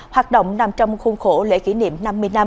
hoạt động nằm trong khuôn khổ lễ kỷ niệm năm mươi năm